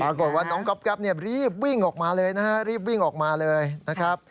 ปรากฏว่าน้องก๊อบแก๊บรีบวิ่งออกมาเลยนะครับ